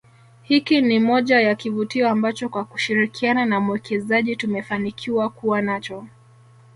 Hiki ni moja ya kivutio ambacho kwa kushirikiana na mwekezaji tumefanikiwa kuwa nacho